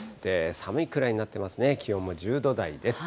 寒いくらいになってますね、気温も１０度台です。